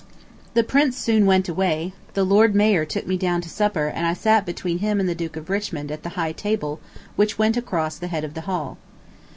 The Prince soon went away: the Lord Mayor took me down to supper and I sat between him and the Duke of Richmond at the high table which went across the head of the hall.